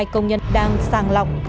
ba mươi hai công nhân đang sang lọc